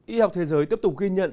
y học thế giới tiếp tục ghi nhận